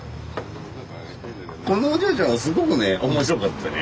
このお嬢ちゃんはすごく面白くってね